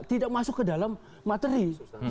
tidak masuk ke dalam materi